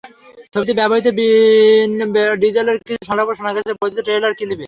ছবিতে ব্যবহৃত ভিন ডিজেলের কিছু সংলাপও শোনা গেছে বর্ধিত ট্রেলার ক্লিপে।